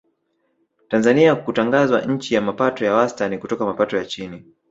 Tanzania kutangazwa nchi ya mapato ya wastani kutoka mapato ya chini